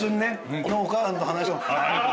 このお母さんと話を。